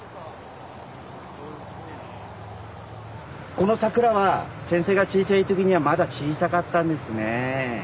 この桜は先生が小さい時にはまだ小さかったんですね。